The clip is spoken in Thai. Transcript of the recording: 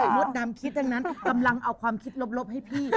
มดดำคิดทั้งนั้นกำลังเอาความคิดลบให้พี่